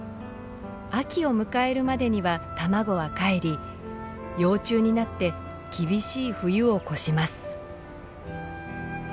秋を迎えるまでには卵はかえり幼虫になって厳しい冬を越します。